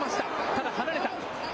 ただ、離れた。